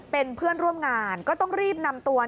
เป็นเพื่อนร่วมงานก็ต้องรีบนำตัว